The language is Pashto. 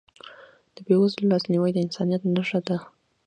د بېوزلو لاسنیوی د انسانیت نښه ده.